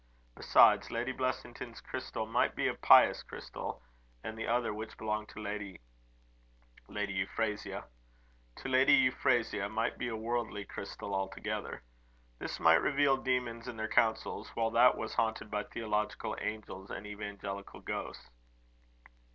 Besides, Lady Blessington's crystal might be a pious crystal; and the other which belonged to Lady " "Lady Euphrasia." "To Lady Euphrasia, might be a worldly crystal altogether. This might reveal demons and their counsels, while that was haunted by theological angels and evangelical ghosts."